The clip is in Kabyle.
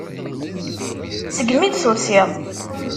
Segmi i d-tusiḍ.